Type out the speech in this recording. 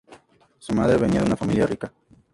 Su madre venia de una familia rica.